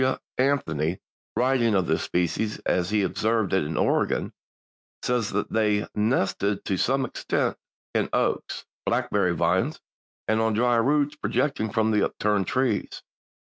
W. Anthony, writing of this species as he observed it in Oregon, says that "they nested to some extent in oaks, blackberry vines and on dry roots projecting from upturned trees.